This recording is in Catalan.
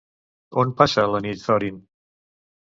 On passa la nit Thorin?